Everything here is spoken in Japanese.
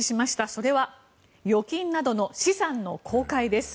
それは預金などの資産の公開です。